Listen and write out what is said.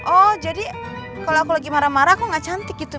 oh jadi kalau aku lagi marah marah aku gak cantik gitu